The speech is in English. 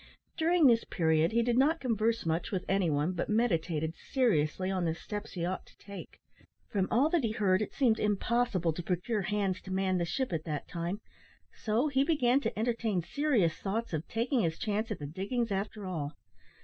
During this period he did not converse much with any one, but meditated seriously on the steps he ought to take. From all that he heard, it seemed impossible to procure hands to man the ship at that time, so he began to entertain serious thoughts of "taking his chance" at the diggings after all.